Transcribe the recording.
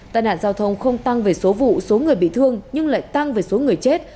tai nạn giao thông không tăng về số vụ số người bị thương nhưng lại tăng về số người chết